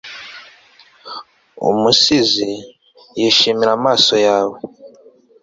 umusizi, yishimira amaso yawe